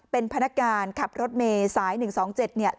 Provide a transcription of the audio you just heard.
เป็นพนักการขับรถเมย์สาย๑๒๗เนี่ย